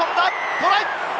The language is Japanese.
トライ！